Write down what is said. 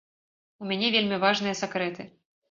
У мяне вельмі важныя сакрэты.